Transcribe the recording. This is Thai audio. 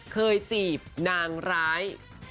เคยจีบนางร้าย